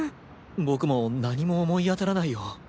僕も何も思い当たらないよ。